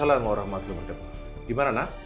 assalamualaikum warahmatullahi wabarakatuh gimana nak